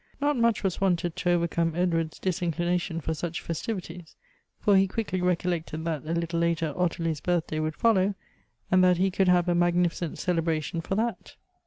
Not much was wanted to overcome Edward's disinclina tion for such festivities — for ho quickly recollected that a little later Ottilie's birthday would follow, and that he could have a magnificent celebration for th.at.